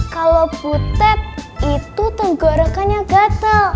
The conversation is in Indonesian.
kalau butet itu tenggorokannya gatel